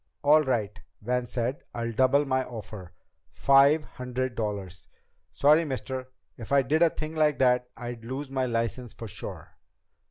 "All right," Van said, "I'll double my offer. Five hundred dollars!" "Sorry, mister. If I did a thing like that I'd lose my license for sure."